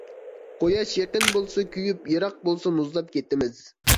قۇياش يېقىن بولسا كۆيۈپ، يىراق بولسا مۇزلاپ كىتىمىز.